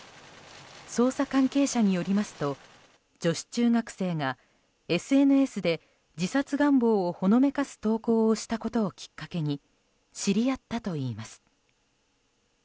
捜査関係者によりますと女子中学生がＳＮＳで自殺願望をほのめかす投稿をしたことをきっかけに知り合ったといいます。